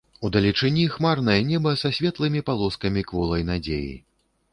Удалечыні хмарнае неба, са светлымі палоскамі кволай надзеі.